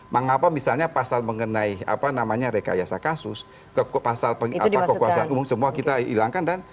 mengapa misalnya pasal mengenai rekayasa kasus pasal kekuasaan umum semua kita hilangkan dan